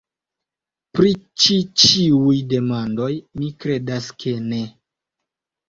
Pri ĉi ĉiuj demandoj, mi kredas ke ne.